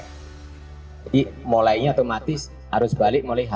jadi mulainya otomatis arus balik mulai h satu ya